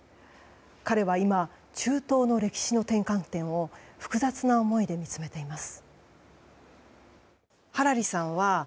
彼は今、中東の歴史の転換点を複雑な思いで見つめています。